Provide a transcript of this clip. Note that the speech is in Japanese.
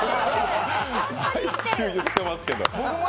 毎週言ってますけど。